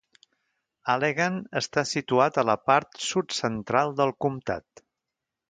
Allegan està situat a la part sud-central del comtat.